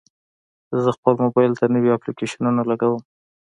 زه خپل موبایل ته نوي اپلیکیشنونه لګوم.